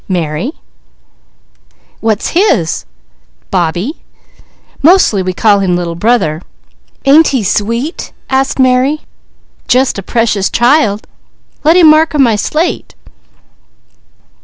"Mary." "What's his?" "Bobbie. Mostly we call him little brother. Ain't he sweet?" asked Mary. "Jus' a Precious Child! Let him mark on my slate."